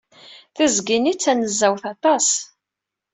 Tiẓgi-nni d taneẓẓawt aṭas.